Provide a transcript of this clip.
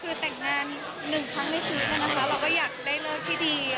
คือแต่งงานหนึ่งครั้งในชีวิตนั้นนะคะ